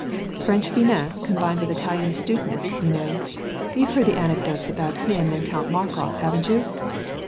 French finesse combined with Italian astuteness, you know! You've heard the anecdotes about him and Count Markof, haven't you